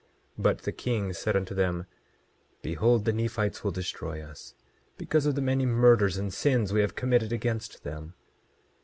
27:6 But the king said unto them: Behold, the Nephites will destroy us, because of the many murders and sins we have committed against them.